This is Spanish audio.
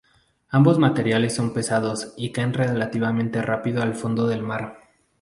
Ambos materiales son pesados, y caen relativamente rápido al fondo del mar.